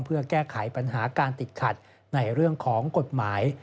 เพื่อแก้ไขปัญหาการติดขัดในเรื่องของกฎหมาย